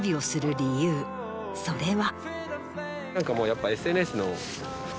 それは。